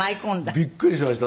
びっくりしました。